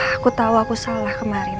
aku tahu aku salah kemarin